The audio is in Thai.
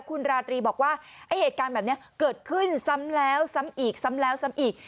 คุณราตรีบอกว่าไอ้เหตุการณ์แบบนี้เกิดขึ้นซ้ำแล้วซ้ำอีกซ้ำแล้วซ้ำอีก